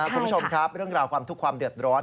คุณผู้ชมครับเรื่องราวความทุกข์ความเดือดร้อน